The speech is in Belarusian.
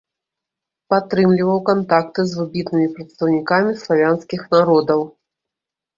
Падтрымліваў кантакты з выбітнымі прадстаўнікамі славянскіх народаў.